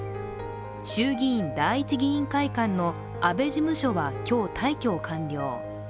衆議院第一議員会館の安倍事務所は今日、退去を完了。